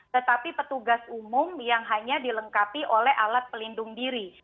tetapi petugas umum yang hanya dilengkapi oleh alat pelindung diri